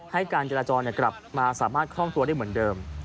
ให้การจราจรกลับมาสามารถคล่องตัวได้เหมือนเดิม